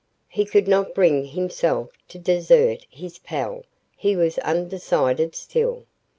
He could not bring himself to desert his pal. He was undecided, still.